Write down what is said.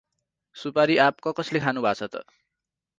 सुपारी आप ककस्ले खानु भाछ त?